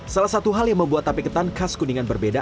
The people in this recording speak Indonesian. salah satu hal yang membuat tape ketan khas kuningan berbeda